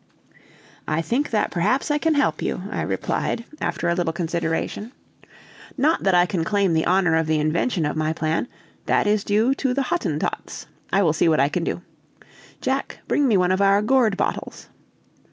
"I think that perhaps I can help you," I replied, after a little consideration; "not that I can claim the honor of the invention of my plan; that is due to the Hottentots. I will see what I can do. Jack, bring me one of our gourd bottles."